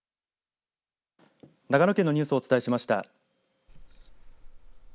長野県のニュースをお伝えしました。